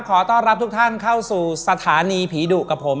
ขอต้อนรับทุกท่านเข้าสู่สถานีผีดุกับผม